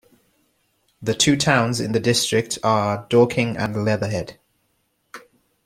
The two towns in the district are Dorking and Leatherhead.